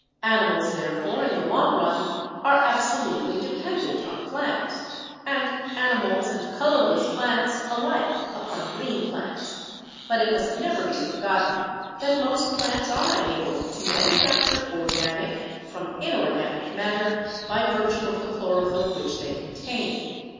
Animals, therefore, in the long run, are absolutely dependent on plants; and animals and colorless plants alike upon green plants. But it must never be forgotten that most plants are enabled to manufacture organic from inorganic matter by virtue of the chlorophyll which they contain.